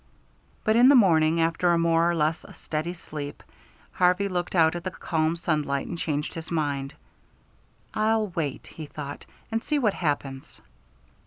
But in the morning, after a more or less steady sleep, Harvey looked out at the calm sunlight and changed his mind. "I'll wait," he thought, "and see what happens."